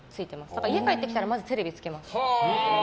だから家帰ってきたらまずテレビつけます。